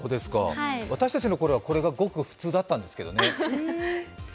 私たちのころは、これがごく普通だったんですけどね。